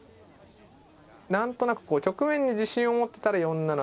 何となくこう局面に自信を持ってたら４七とで。